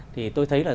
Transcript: thì tôi thấy là